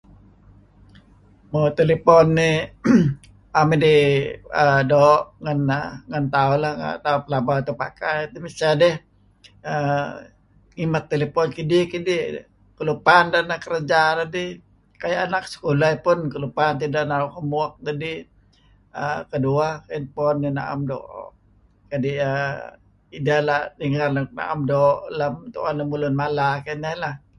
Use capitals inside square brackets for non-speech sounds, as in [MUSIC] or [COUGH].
Mo telephone nih [COUGHS] am idih doo' ngen tauh lah ngen tauh pelaba tuuh pakai. Temiseh dih uhm ngimet kidih-kidih kelupan deh neh kereja dedih. Kayu' nak sekolah pun kelupan tidah naru homework dedih. uhm kedueh telephone inih naem doo' kadi' iyeh kadi' ideh ela' nier nuk naem doo' tuen lemulun mala kinen lah.